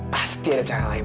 pasti ada cara lain